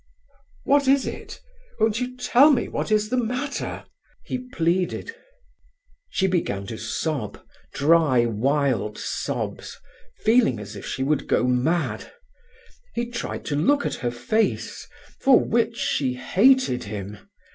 "What is it? Won't you tell me what is the matter?" he pleaded. She began to sob, dry wild sobs, feeling as if she would go mad. He tried to look at her face, for which she hated him.